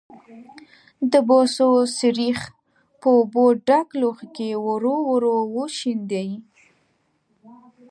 د بوسو سريښ په اوبو ډک لوښي کې ورو ورو وشیندئ.